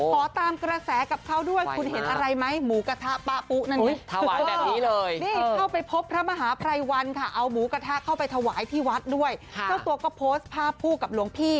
พอตามกระแสกับเขาด้วยคุณเห็นอะไรไหม